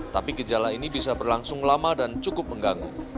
tapi gejala ini bisa berlangsung lama dan cukup mengganggu